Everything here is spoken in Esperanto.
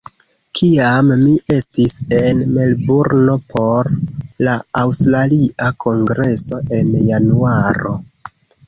Kiam mi estis en Melburno por la aŭstralia kongreso en Januaro